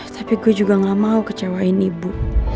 tapi gue juga gak mau kecewain ibu